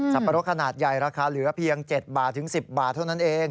ปะรดขนาดใหญ่ราคาเหลือเพียง๗บาทถึง๑๐บาทเท่านั้นเอง